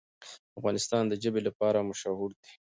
افغانستان د ژبې لپاره مشهور دی.